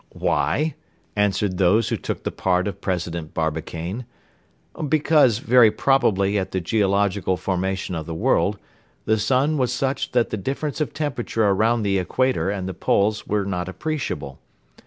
"Why?" answered those who took the part of President Barbicane, "because, very probably at the geological formation of the world, the sun was such that the difference of temperature around the equator and the poles were not appreciable.